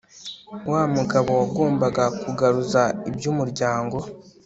wa mugabo wagombaga kugaruza iby'umuryango